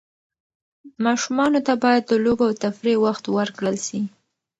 ماشومانو ته باید د لوبو او تفریح وخت ورکړل سي.